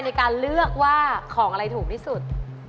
ในการเลือกว่าของอะไรถูกที่สุด